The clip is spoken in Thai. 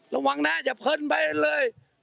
ระวังนะอย่าเพลินไปเลย